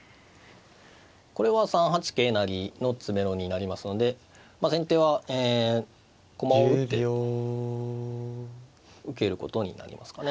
これは３八桂成の詰めろになりますので先手はえ駒を打って受けることになりますかね。